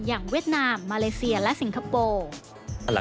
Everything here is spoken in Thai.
เวียดนามมาเลเซียและสิงคโปร์